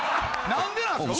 何でなんすか？